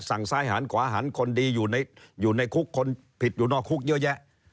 ซ้ายหันขวาหันคนดีอยู่ในคุกคนผิดอยู่นอกคุกเยอะแยะ